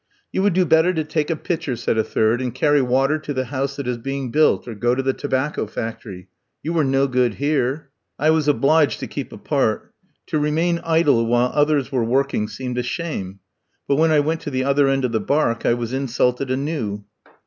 "You would do better to take a pitcher," said a third, "and carry water to the house that is being built, or go to the tobacco factory. You are no good here." I was obliged to keep apart. To remain idle while others were working seemed a shame; but when I went to the other end of the barque I was insulted anew.